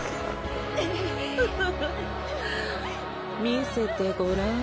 見せてごらん